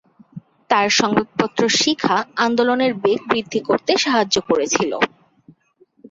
তার সংবাদপত্র শিখা আন্দোলনের বেগ বৃদ্ধি করতে সাহায্য করেছিল।